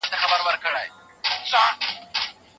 کوم کسان ځان کاندیدولای سي؟